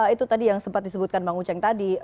itu tadi yang sempat disebutkan bang uceng tadi